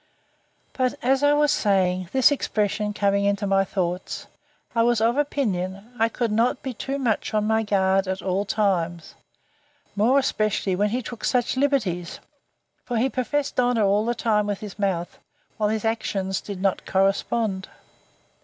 But, as I was saying, this expression coming into my thoughts, I was of opinion, I could not be too much on my guard, at all times: more especially when he took such liberties: for he professed honour all the time with his mouth, while his actions did not correspond.